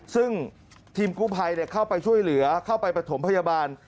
ซึ่งทีมกู้ภัยเข้าไปช่วยเหลือเข้าไปประถมพยาบาล